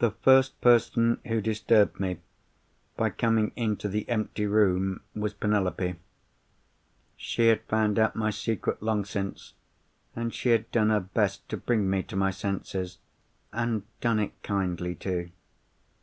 "The first person who disturbed me by coming into the empty room was Penelope. She had found out my secret long since, and she had done her best to bring me to my senses—and done it kindly too.